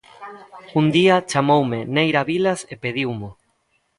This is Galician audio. Un día chamoume Neira Vilas e pediumo.